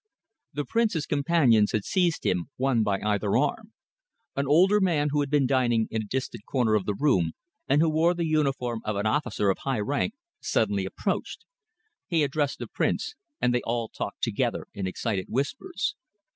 The Prince's companions had seized him, one by either arm. An older man who had been dining in a distant corner of the room, and who wore the uniform of an officer of high rank, suddenly approached. He addressed the Prince, and they all talked together in excited whispers.